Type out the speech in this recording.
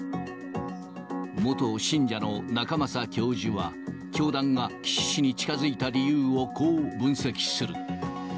元信者の仲正教授は、教団が岸氏に近づいた理由をこう分析する。